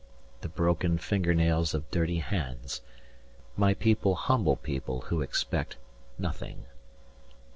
The broken finger nails of dirty hands. My people humble people who expect Nothing."